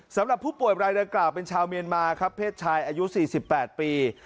สำหรับผู้ป่วยรายดังกล่าวเป็นชาวเมียนมาครับเพศชายอายุ๔๘ปี